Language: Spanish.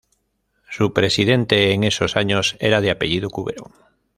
Su presidente, en esos años, era de apellido Cubero.